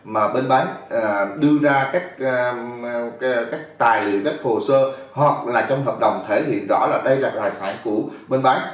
mà bên bán đưa ra các tài liệu các hồ sơ hoặc là trong hợp đồng thể hiện rõ là đây là cái tài sản của bên bán